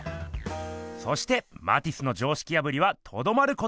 そしてマティスの常識破りはとどまることを知りません。